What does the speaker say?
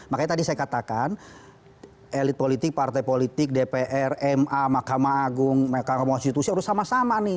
makanya tadi saya katakan elit politik partai politik dpr ma mahkamah agung mahkamah konstitusi harus sama sama nih